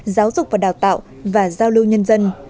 giáo dục và đào tạo và giao lưu nhân dân